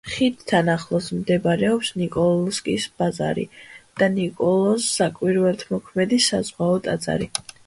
ხიდთან ახლოს მდებარეობს ნიკოლსკის ბაზარი და ნიკოლოზ საკვირველთმოქმედის საზღვაო ტაძარი.